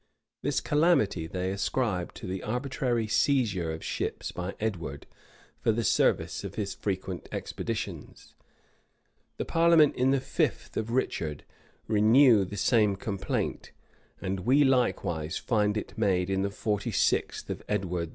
This calamity they ascribe to the arbitrary seizure of ships by Edward for the service of his frequent expeditions.[] The parliament in the fifth of Richard renew the same complaint;[] and we likewise find it made in the forty sixth of Edward III.